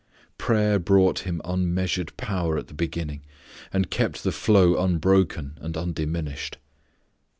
Prayer_ brought Him unmeasured power at the beginning, and kept the flow unbroken and undiminished.